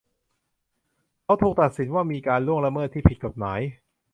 เขาถูกตัดสินว่ามีการล่วงละเมิดที่ผิดกฎหมาย